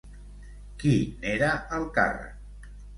Qui n'era al càrrec?